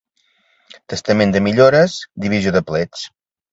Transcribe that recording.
Testament de millores, divisió de plets.